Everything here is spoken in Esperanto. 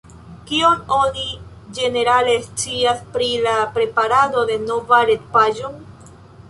Kion oni ĝenerale scias pri la preparado de nova retpaĝo?